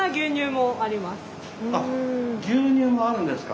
あっ牛乳があるんですか。